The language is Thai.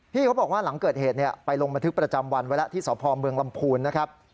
เขาบอกว่าหลังเกิดเหตุไปลงบันทึกประจำวันไว้แล้วที่สพเมืองลำพูนนะครับ